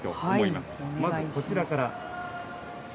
まずこちらから。